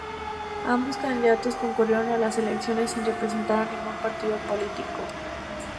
Ambos candidatos concurrieron a las elecciones sin representar a ningún partido político.